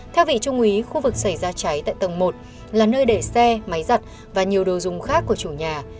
theo vị trung úy khu vực xảy ra cháy tại tầng một là nơi để xe máy giặt và nhiều đồ dùng khác của chủ nhà